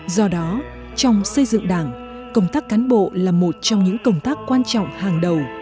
do đó trong xây dựng đảng công tác cán bộ là một trong những công tác quan trọng hàng đầu